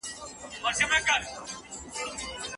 نو زده کوونکي یې زده کوي.